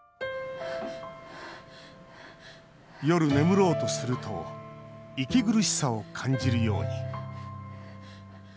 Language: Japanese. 夜、眠ろうとすると息苦しさを感じるように。